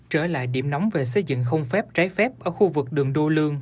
trở lại điểm nóng về xây dựng không phép trái phép ở khu vực đường đô lương